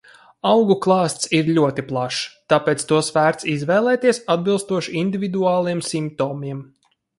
Augu klāsts ir ļoti plašs, tāpēc tos vērts izvēlēties, atbilstoši individuāliem simptomiem.